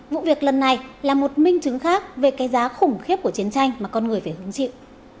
vụ việc lần này là một minh chứng khác về cái giá khủng khiếp của chiến tranh mà con người phải hứng chịu